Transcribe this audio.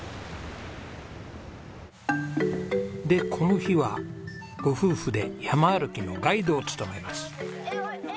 でこの日はご夫婦で山歩きのガイドを務めます。